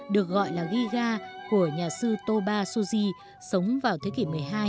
được gọi là ghiga của nhà sư toba suji sống vào thế kỷ một mươi hai